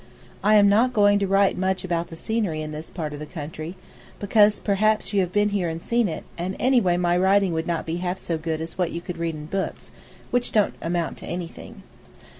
I am not going to write much about the scenery in this part of the country, because, perhaps, you have been here and seen it, and anyway my writing would not be half so good as what you could read in books, which don't amount to anything.